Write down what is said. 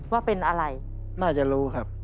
ว่าเป็นอะไรน่าจะรู้ครับ